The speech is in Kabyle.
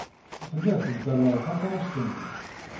Telliḍ teddaleḍ takeṛṛust-nnem.